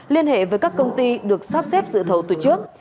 liên hệ với các công ty được sắp xếp dự thầu từ trước